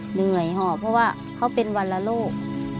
เหนื่อยหอบเพราะว่าเขาเป็นวรรณโรค